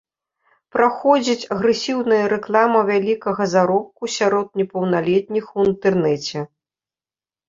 Праходзіць агрэсіўная рэклама вялікага заробку сярод непаўналетніх у інтэрнэце.